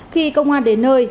khi công an đến nơi